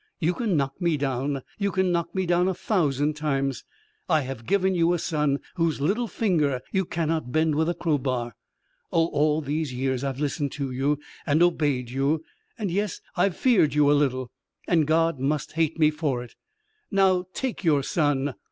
You can knock me down. You can knock me down a thousand times. I have given you a son whose little finger you cannot bend with a crow bar. Oh, all these years I've listened to you and obeyed you and yes, I've feared you a little and God must hate me for it. Now take your son.